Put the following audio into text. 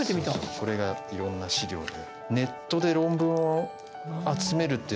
これがいろんな資料で。